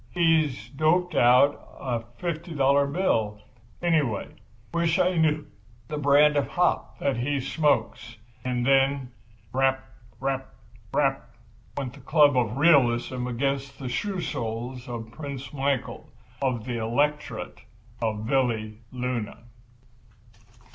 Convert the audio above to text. "He's doped out a fifty dollar bill, anyway. Wish I knew the brand of hop that he smokes." And then "Rap, rap, rap!" went the club of realism against the shoe soles of Prince Michael, of the Electorate of Valleluna.